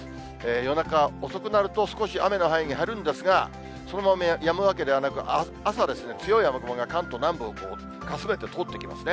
夜中遅くなると、少し雨の範囲が減るんですが、そのままやむわけではなく、朝、強い雨雲が関東南部をかすめて通っていきますね。